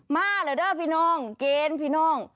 มาเหรอเด้อพี่น้องเกณฑ์พี่น้อง